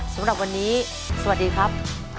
สำหรับวันนี้สวัสดีครับ